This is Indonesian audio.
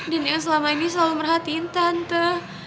dan yang selama ini selalu merhatiin tante